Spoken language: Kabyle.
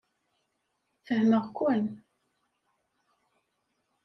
Fehmeɣ-ken.